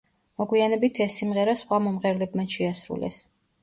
მოგვიანებით ეს სიმღერა სხვა მომღერლებმაც შეასრულეს.